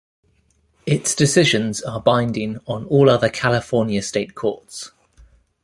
Its decisions are binding on all other California state courts.